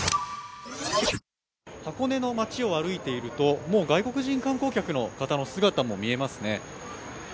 箱根の街を歩いていると、もう外国人観光客の姿も見えますね。